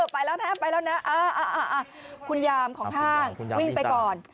ไปแล้วนะไปแล้วนะคุณยามของห้างวิ่งไปก่อน